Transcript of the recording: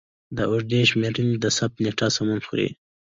د اوږدې شمېرنې د ثبت نېټه سمون خوري.